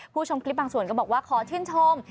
ชมคลิปบางส่วนก็บอกว่าขอชื่นชม